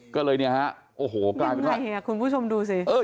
ก็เลยกลายเป็นข่าวยังไงคุณผู้ชมดูสิ